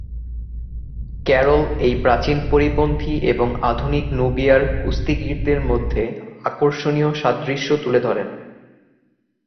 Carroll এই প্রাচীন পরিপন্থী এবং আধুনিক নুবিয়ার কুস্তিগিরদের মধ্যে আকর্ষণীয় সাদৃশ্য তুলে ধরেন।